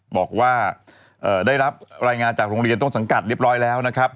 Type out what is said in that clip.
บอกว่าได้รับรายงานจากโรงเรียนต้นสังกัดเรียบร้อยแล้วนะครับ